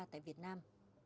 tại việt nam